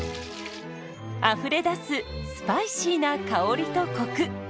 あふれ出すスパイシーな香りとコク。